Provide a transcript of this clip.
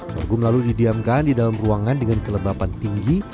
sorghum lalu didiamkan di dalam ruangan dengan kelembapan tinggi